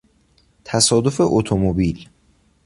تصادف اتومبیل